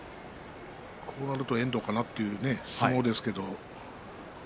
こうなると遠藤かなという相撲ですけれど。